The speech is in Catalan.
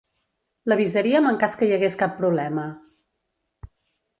L'avisaríem en cas que hi hagués cap problema.